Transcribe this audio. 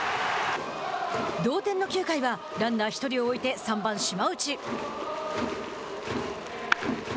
同点の９回はランナー１人を置いて、３番島内。